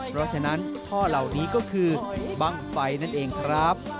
เพราะฉะนั้นท่อเหล่านี้ก็คือบ้างไฟนั่นเองครับ